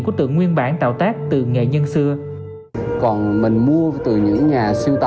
của tượng nguyên bản tạo tác từ nghệ nhân xưa